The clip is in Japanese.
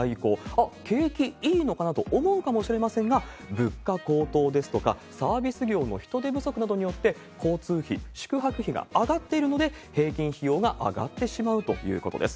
あっ、景気いいのかなと思うかもしれませんが、物価高騰ですとか、サービス業の人手不足などによって、交通費、宿泊費が上がっているので、平均費用が上がってしまうということです。